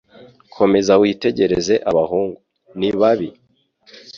Komeza witegereze abahungu. Ni babi.